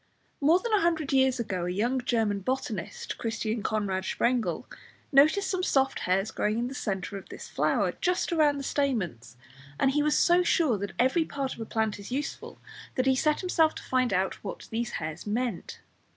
More than a hundred years ago a young German botanist, Christian Conrad Sprengel, noticed some soft hairs growing in the centre of this flower, just round the stamens, and he was so sure that every part of a plant is useful, that he set himself to find out what these hairs meant.